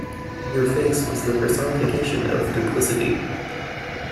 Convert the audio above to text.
Your face was the personification of duplicity.